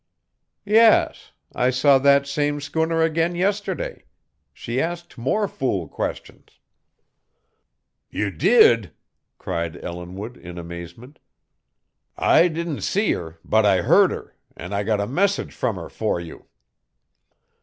"Yes. I saw that same schooner again yesterday. She asked more fool questions." "You did!" cried Ellinwood in amazement. "I didn't see her, but I heard her, an' I got a message from her for you.